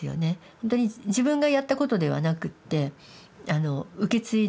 ほんとに自分がやったことではなくって受け継いできていること。